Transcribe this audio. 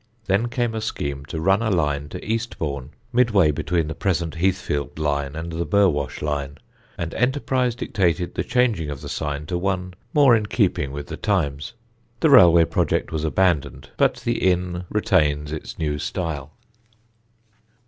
Then came a scheme to run a line to Eastbourne, midway between the present Heathfield line and the Burwash line, and enterprise dictated the changing of the sign to one more in keeping with the times. The railway project was abandoned but the inn retains its new style.